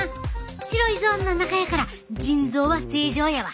白いゾーンの中やから腎臓は正常やわ。